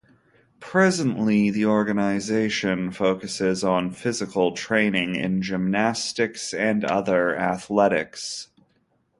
Presently, the organization focuses on physical training in gymnastics and other athletics.